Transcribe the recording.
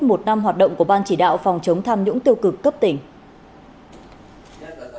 một năm hoạt động của ban chỉ đạo phòng chống tham nhũng tiêu cực cấp tỉnh